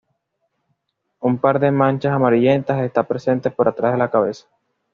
Un par de manchas amarillentas está presente por atrás de la cabeza.